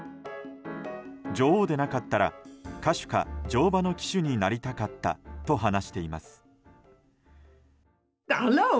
女王でなかったら歌手か乗馬の騎手になりたかったと話しています。